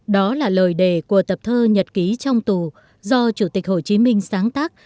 đó là lời đề của tập thơ nhật ký trong tù do chủ tịch hồ chí minh sáng tác